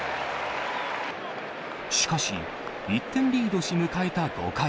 しかし、１点リードし、迎えた５回。